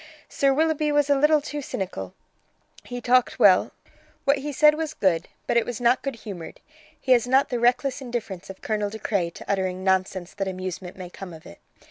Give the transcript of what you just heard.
Sir Willoughby was a little too cynical; he talked well; what he said was good, but it was not good humoured; he has not the reckless indifference of Colonel De Craye to uttering nonsense that amusement may come of it.